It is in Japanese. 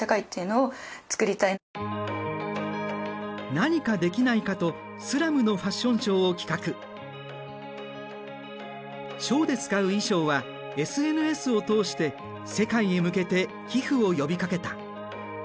何かできないかとショーで使う衣装はＳＮＳを通して世界へ向けて寄付を呼びかけた。